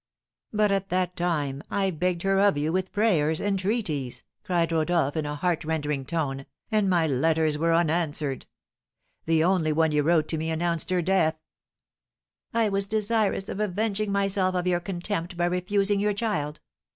"But at that time I begged her of you with prayers, entreaties," cried Rodolph, in a heartrending tone, "and my letters were unanswered; the only one you wrote to me announced her death!" "I was desirous of avenging myself of your contempt by refusing your child.